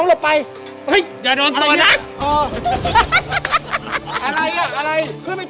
แล้วทำไม